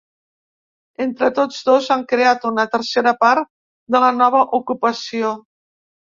Entre tots dos han creat una tercera part de la nova ocupació.